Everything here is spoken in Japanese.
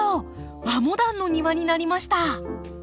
和モダンの庭になりました。